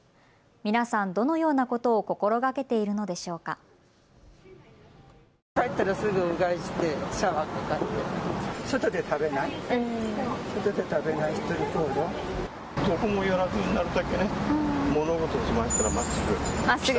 皆さん、どのようなことを心がけているのでしょうか。